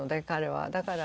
だから。